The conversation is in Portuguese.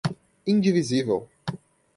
indivisível